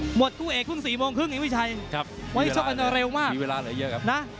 หมดคู่เอกเมื่อ๔โมงครึ่งพี่วิชัยจับหมดละ๑๑เจอร์ระครับ